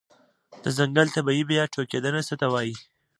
د ځنګل طبيعي بیا ټوکیدنه څه ته وایې؟